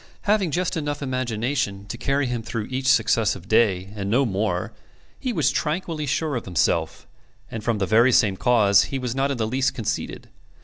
Having just enough imagination to carry him through each successive day, and no more, he was tranquilly sure of himself; and from the very same cause he was not in the least conceited.